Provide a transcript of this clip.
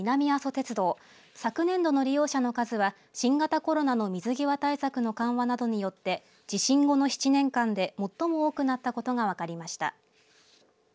鉄道昨年度の利用者の数は新型コロナの水際対策の緩和などによって地震後の７年間で最も多くなったことが分かりました。